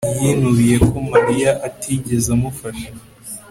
yinubiye ko mariya atigeze amufasha